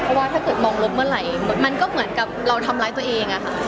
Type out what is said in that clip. เพราะว่าถ้าเกิดมองลบเมื่อไหร่มันก็เหมือนกับเราทำร้ายตัวเองอะค่ะ